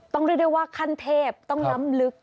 ต้องเรียกดูว่าขั้นเทพต้องรับลึก